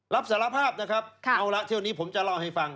รับสารภาพนะครับเอาละเที่ยวนี้ผมจะเล่าให้ฟัง